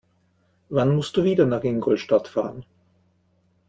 Wann musst du wieder nach Ingolstadt fahren?